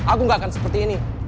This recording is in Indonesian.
aku gak akan seperti ini